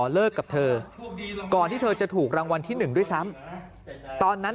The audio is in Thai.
เลิกกับเธอก่อนที่เธอจะถูกรางวัลที่๑ด้วยซ้ำตอนนั้น